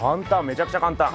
めちゃくちゃ簡単。